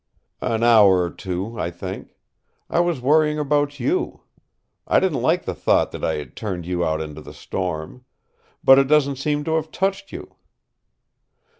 "An hour or two, I think. I was worrying about you. I didn't like the thought that I had turned you out into the storm. But it doesn't seem to have touched you."